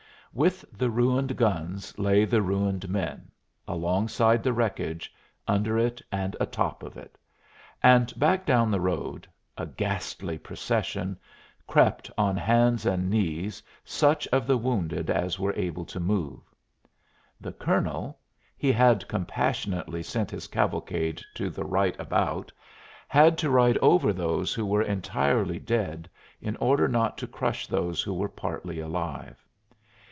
With the ruined guns lay the ruined men alongside the wreckage, under it and atop of it; and back down the road a ghastly procession! crept on hands and knees such of the wounded as were able to move. The colonel he had compassionately sent his cavalcade to the right about had to ride over those who were entirely dead in order not to crush those who were partly alive.